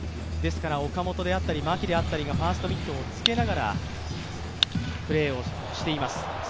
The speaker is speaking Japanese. ですから岡本であったり、牧であったりが、ファーストミットをつけながらプレーをしています。